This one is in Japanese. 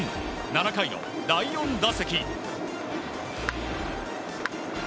７回の第４打席。